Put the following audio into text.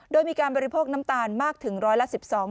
โดยมีการบริโภคน้ำตาลมากถึงร้อยละ๑๒บาท